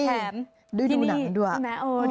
แถมดูหนังด้วย